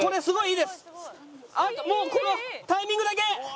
もうこのタイミングだけ！